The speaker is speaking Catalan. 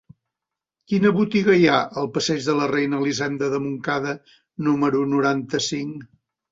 Quina botiga hi ha al passeig de la Reina Elisenda de Montcada número noranta-cinc?